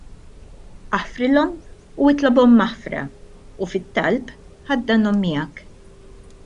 Aħfrilhom u itlobhom maħfra u, fit-talb, ħaddanhom miegħek.